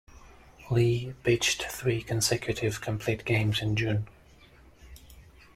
Lee pitched three consecutive complete games in June.